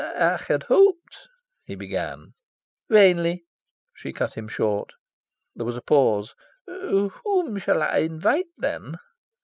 "I had hoped " he began. "Vainly," she cut him short. There was a pause. "Whom shall I invite, then?"